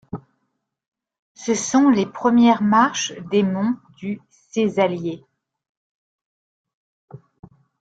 Ce sont les premières marches des monts du Cézallier.